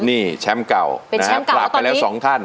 นี่แชมป์เก่าเปลี่ยนสองท่าน